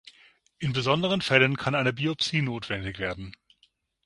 In besonderen Fällen kann eine Biopsie notwendig werden.